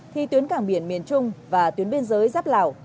thì tuyến cảng biển miền trung và tuyến biên giới giáp lào